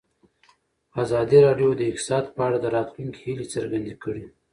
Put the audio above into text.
ازادي راډیو د اقتصاد په اړه د راتلونکي هیلې څرګندې کړې.